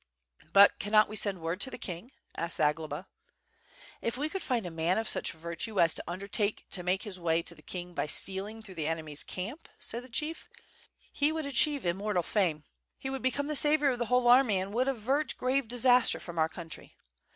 "But cannot we send word to the king?" asked Zagloba. "If we could find a man of such virtue as to undertake to make his way to the king by stealing through the enemy's camp," said the chief, *Tie would achieve immortal fame; he would become the savior of the whole army, and would avert grave disaster from our country.